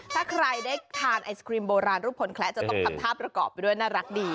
ถ้าใครได้ทานไอศครีมโบราณรูปผลแคละจะต้องทำท่าประกอบไปด้วยน่ารักดี